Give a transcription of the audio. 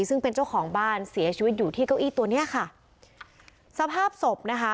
ซึ่งเป็นเจ้าของบ้านเสียชีวิตอยู่ที่เก้าอี้ตัวเนี้ยค่ะสภาพศพนะคะ